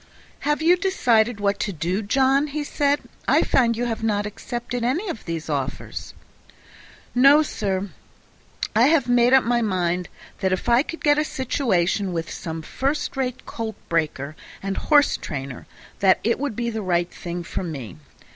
"Have you decided what to do, John?" he said. "I find you have not accepted either of those offers." "No, sir; I have made up my mind that if I could get a situation with some first rate colt breaker and horse trainer, it would be the right thing for me.